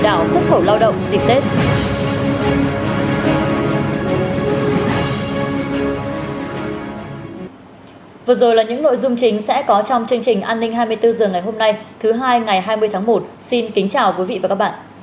những nội dung chính sẽ có trong chương trình an ninh hai mươi bốn giờ ngày hôm nay thứ hai ngày hai mươi tháng một xin kính chào quý vị và các bạn